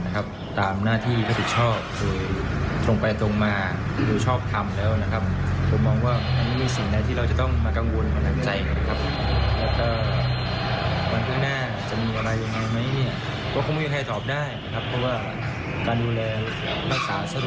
ข่อยขอใจเชิดปลามาก็สรุปหลายค่อนข้างเดียวได้แน่เท่าไหร่